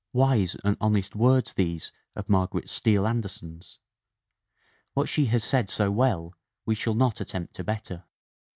Wise and honest words, these, of Margaret Steele Anderson's. What she has said so well we shall not attempt to better.